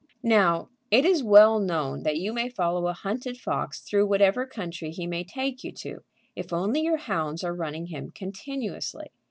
Now, it is well known that you may follow a hunted fox through whatever country he may take you to, if only your hounds are hunting him continuously.